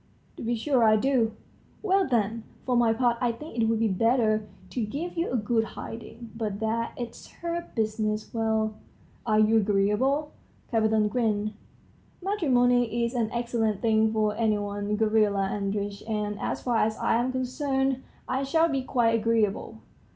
"To be sure I do." "Well, then. For my part I think it would be better to give you a good hiding. But there it's her business. Well? are you agreeable?" Kapiton grinned. "Matrimony is an excellent thing for any one, Gavrila Andreitch; and, as far as I am concerned, I shall be quite agreeable."